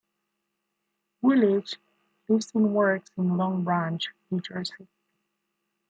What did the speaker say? Woolwich lives and works in Long Branch, New Jersey.